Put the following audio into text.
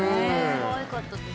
かわいかったです。